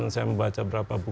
saya membaca beberapa buku